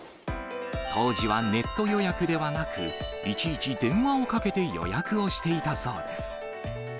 当時はネット予約ではなく、いちいち電話をかけて予約をしていたそうです。